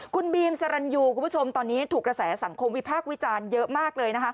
คุณบีมสรรยูคุณผู้ชมตอนนี้ถูกกระแสสังคมวิพากษ์วิจารณ์เยอะมากเลยนะคะ